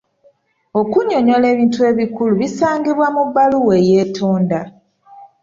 Okuunyonnyola ebintu ebikulu ebisangibwa mu bbaluwa eyeetonda.